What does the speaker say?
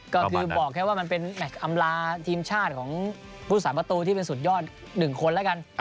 ก็คือบอกแค่ว่ามันเป็นแม็กอำลาทีมชาติของผู้สามประตูที่เป็นสุดยอด๑คนแล้วกัน